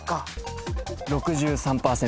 ６３％。